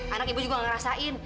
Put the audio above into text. anak ibu juga ngerasain